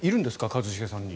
一茂さんに。